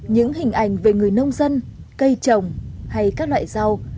những hình ảnh về người nông dân cây trồng hay các loại rau